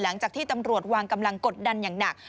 หลังจากที่ตำรวจวางกำลังกดดันอย่างหนัก